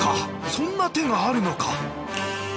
そんな手があるのか。